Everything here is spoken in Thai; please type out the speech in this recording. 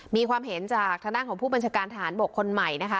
มีความเห็นจากทางด้านของผู้บัญชาการทหารบกคนใหม่นะคะ